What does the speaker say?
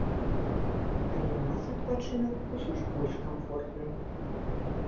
Але ў нас адпачынак усё ж больш камфортны.